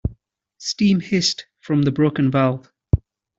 Steam hissed from the broken valve.